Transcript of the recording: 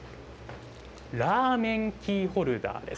ラーメンキーホルダーです。